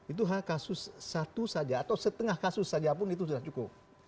itu kasus satu saja atau setengah kasus saja pun itu sudah cukup